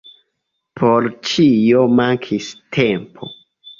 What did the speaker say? Por ĉio mankis tempo.